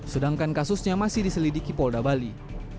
sedangkan kasusnya masih diselidiki polda bali